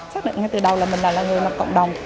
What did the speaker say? xác định ngay từ đầu là mình là người làm cộng đồng